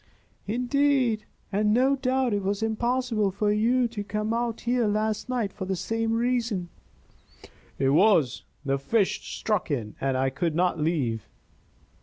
"Indeed? And no doubt it was impossible for you to come out here last night for the same reason." "It was. The fish struck in, and I could not leave."